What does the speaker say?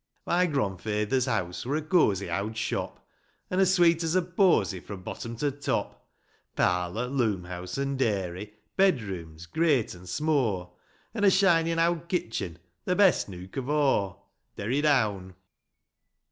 My gronfaither's house Wur a cosy owd shop, As' as sweet as a posy Fro' bottom to top ; Parlour, loom house, an' dairy ; Bedrooms, greight an' smo' ; An' a shinin' owd kitchen, — The best nook of o' ! Derry down.